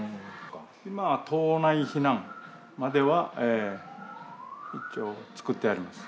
今は島内避難までは一応、作ってあります。